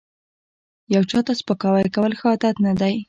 یو چاته سپکاوی کول ښه عادت نه دی